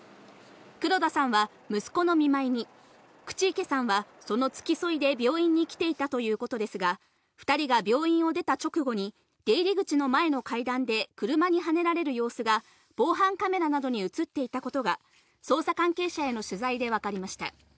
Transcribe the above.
黒田さんは息子の見舞いに、口池さんはその付き添いで病院に来ていたということですが、２人が病院を出た直後に、出入り口の前の階段で、車にはねられる様子が、防犯カメラなどに写っていたことが、捜査関係者への取材で分かりました。